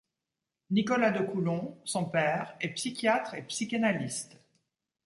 Nicolas de Coulon, son père, est psychiatre et psychanalyste.